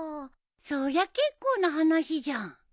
そりゃ結構な話じゃん。